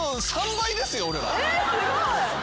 すごい！